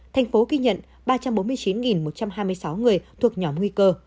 tp hcm ghi nhận ba trăm bốn mươi chín một trăm hai mươi sáu người thuộc nhóm nguy cơ